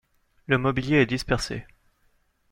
Le mobilier est dispersé.